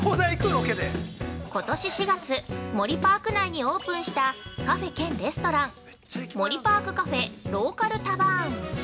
◆ことし４月モリパーク内にオープンしたカフェ兼レストラン「モリパークカフェローカルタバーン」。